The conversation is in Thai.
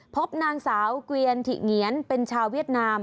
พบนางสาวเกวียนถิเหงียนเป็นชาวเวียดนาม